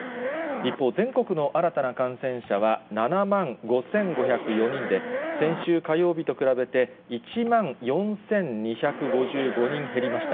一方、全国の新たな感染者は７万５５０４人で、先週火曜日と比べて、１万４２５５人減りました。